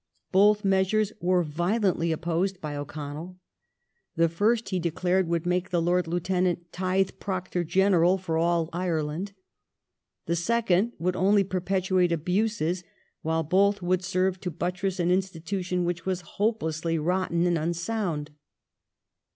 Both measures were violently opposed by O'Connell. The first, he declared, would make the Lord Lieutenant " Tithe Proctor General for all Ireland "; the second would only perpetuate abuses, while both would serve to buttress an institution which was hopelessly rotten and unsound.